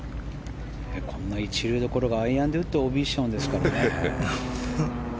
こんな一流どころがアイアンで打ってＯＢですからね。